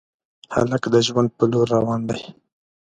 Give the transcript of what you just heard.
هلک د ژوند په لور روان دی.